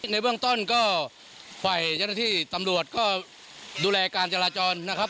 ในเบื้องต้นก็ฝ่ายเจ้าหน้าที่ตำรวจก็ดูแลการจราจรนะครับ